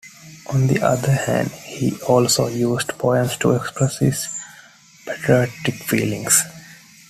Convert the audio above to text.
On the other hand, he also used poems to express his patriotic feelings.